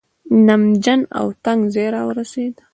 نمجن او تنګ ځای راورسېد.